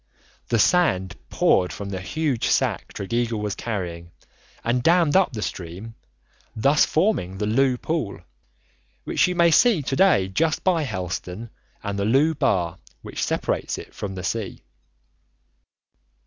The sand poured from the huge sack Tregeagle was carrying and dammed up the stream, thus forming the Looe Pool, which you may see to day just by Helston, and the Looe Bar, which separates it from the sea.